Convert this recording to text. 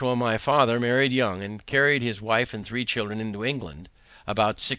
] Josiah, my father, married young, and carried his wife with three children into New England, about 1682.